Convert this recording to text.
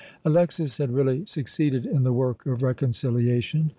Alexas had really succeeded in the work of reconciliation.